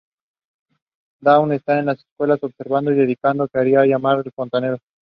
Dawn está en las escaleras, observando y diciendo que habría que llamar al fontanero.